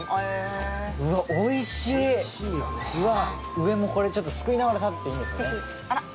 上もすくいながら食べていいんですよね。